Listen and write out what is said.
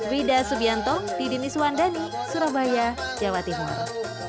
wida subianto didi niswandani surabaya jawa timur